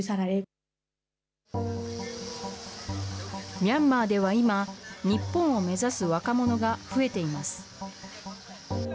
ミャンマーでは今、日本を目指す若者が増えています。